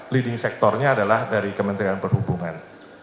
leading sectornya adalah dari kementerian perhubungan